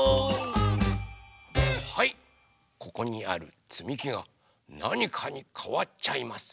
はいここにあるつみきがなにかにかわっちゃいます。